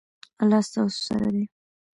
الله ستاسو سره دی